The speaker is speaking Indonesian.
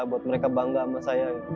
buat mereka bangga sama saya